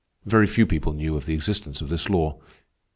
Very few people knew of the existence of this law.